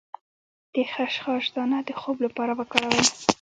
د خشخاش دانه د خوب لپاره وکاروئ